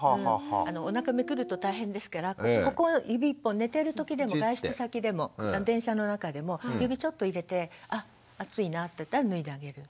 おなかめくると大変ですからここ指１本寝てる時でも外出先でも電車の中でも指ちょっと入れてあ暑いなっていったら脱いであげる。